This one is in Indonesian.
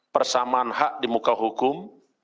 persamaan hak di muka hukum